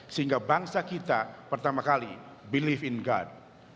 sehingga bangsa kita pertama kali believe in god